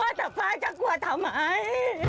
เอาล่ะฟ้าจะกลัวทำไม